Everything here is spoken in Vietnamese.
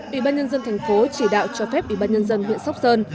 ủy ban nhân dân thành phố chỉ đạo cho phép ủy ban nhân dân huyện sóc sơn